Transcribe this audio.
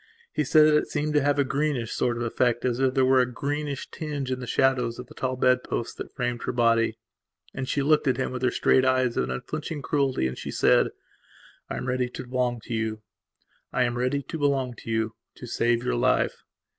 He said that it seemed to have a greenish sort of effect as if there were a greenish tinge in the shadows of the tall bedposts that framed her body. And she looked at him with her straight eyes of an unflinching cruelty and she said: "I am ready to belong to youto save your life."